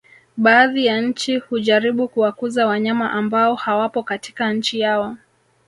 Baadhi ya nchi hujaribu kuwakuza wanyama ambao hawapo katika nchi yao